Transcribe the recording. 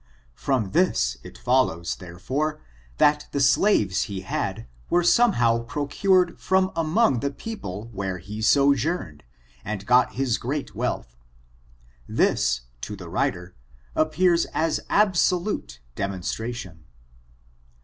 From this it follows, therefore, that the slaves he had were somehow procured from among the people where he sojourned and got his great wealth. This, to the writer, appears as absolute de monstration.